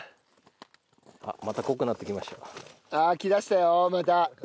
あっ来だしたよまた。